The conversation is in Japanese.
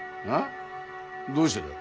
どうしてだ？